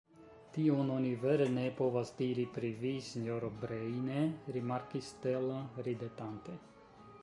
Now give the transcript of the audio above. Tion oni vere ne povas diri pri vi, sinjoro Breine, rimarkis Stella ridetante.